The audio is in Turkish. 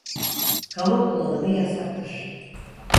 Kamu kullanımı yasaktır.